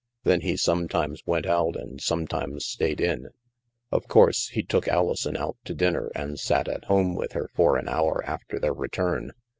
Then he sometimes went out and some times stayed in. Of course, he took Alison out to dinner and sat at home with her for an hour after their return.